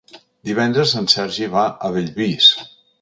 Divendres en Sergi va a Bellvís.